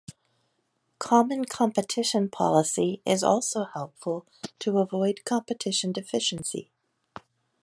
Common competition policy is also helpful to avoid competition deficiency.